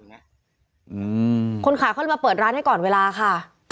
ขอบคุณค่ะเขาเลยมาเปิดร้านให้ก่อนเวลาค่ะ